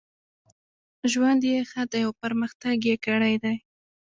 ژوند یې ښه دی او پرمختګ یې کړی دی.